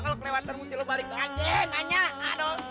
kalau kelewatan mesti lo balik ke anjing